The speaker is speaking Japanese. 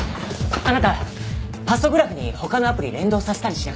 あなたパソグラフに他のアプリ連動させたりしなかった？